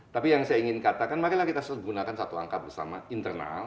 tapi yang saya ingin katakan marilah kita gunakan satu angka bersama internal